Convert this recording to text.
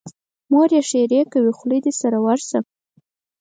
مور یې ښېرې کوي: خوله دې سره ورشه.